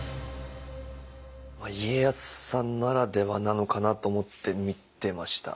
家康さんならではなのかなと思って見てました。